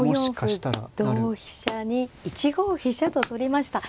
５四歩同飛車に１五飛車と取りました。